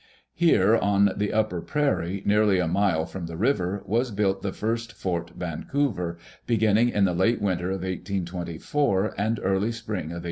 Here, on the upper prairie, nearly a mile from the river, was built the first Fort Vancouver, beginning in the late winter of 1824, and early spring of 1825.